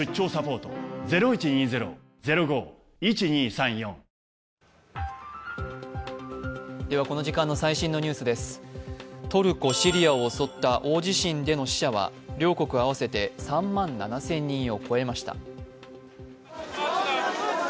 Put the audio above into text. トルコ・シリアを襲った大地震での死者は両国合わせて３万７０００人を超えました。